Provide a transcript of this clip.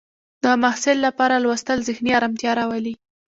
د محصل لپاره لوستل ذهني ارامتیا راولي.